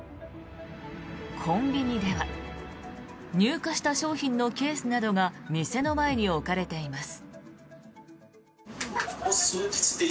コンビニでは入荷した商品のケースなどが店の前に置かれています。